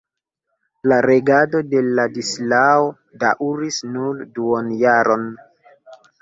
La regado de Ladislao daŭris nur duonjaron.